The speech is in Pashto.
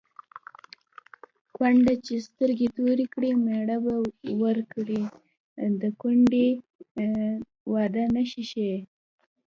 کونډه چې سترګې تورې کړي مېړه به وکړي د کونډې د واده نښه ښيي